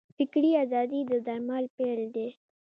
فکري ازادي د درمل پیل دی.